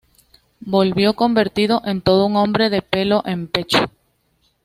Volvió convertido en todo un hombre de pelo en pecho